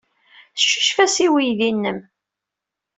Teccucef-as i uydi-nnem.